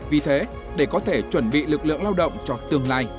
vì thế để có thể chuẩn bị lực lượng lao động cho tương lai